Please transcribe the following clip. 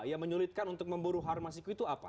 yang menyulitkan untuk memburu harun masiku itu apa